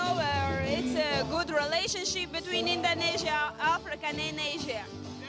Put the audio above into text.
saya tahu ini adalah hubungan yang baik antara indonesia afrika dan asia